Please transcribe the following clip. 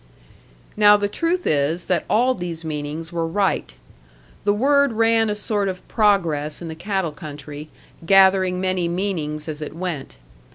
Now the truth is that all these meanings were right. The word ran a sort of progress in the cattle country, gathering many meanings as it went.